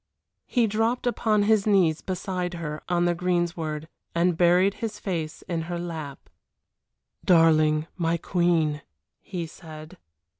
He dropped upon his knees beside her on the greensward, and buried his face in her lap. "Darling my queen," he said.